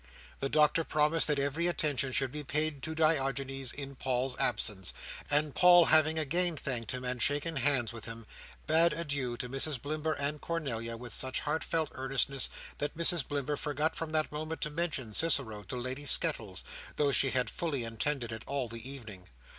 The Doctor promised that every attention should be paid to Diogenes in Paul's absence, and Paul having again thanked him, and shaken hands with him, bade adieu to Mrs Blimber and Cornelia with such heartfelt earnestness that Mrs Blimber forgot from that moment to mention Cicero to Lady Skettles, though she had fully intended it all the evening.